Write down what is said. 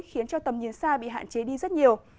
khiến cho tầm nhìn xa bị hạn chế đi rất nhiều